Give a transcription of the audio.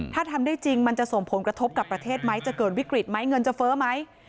ถ้าทำได้จริงมันจะส่งผลกระทบกับประเทศไหมจะเกิดวิกฤตไหมเงินจะเฟ้อไหม